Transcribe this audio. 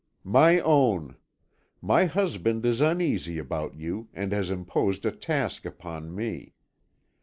II "My Own, My husband is uneasy about you, and has imposed a task upon me.